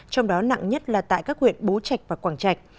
trong đó nặng nhất là tại các huyện bố trạch và quảng trạch